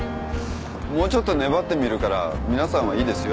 もうちょっと粘ってみるから皆さんはいいですよ。